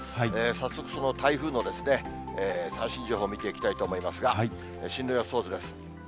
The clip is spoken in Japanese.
早速、その台風の最新情報見ていきたいと思いますが、進路予想図です。